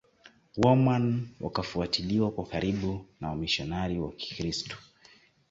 waoman wakafuatiliwa kwa karibu na wamishionari wa kikristo